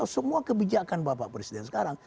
semua kebijakan bapak presiden sekarang